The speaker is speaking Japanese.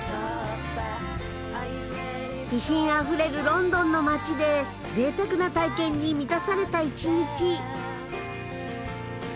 気品あふれるロンドンの街でぜいたくな体験に満たされた１日。